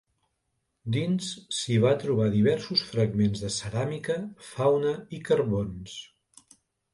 Dins s'hi va trobar diversos fragments de ceràmica, fauna i carbons.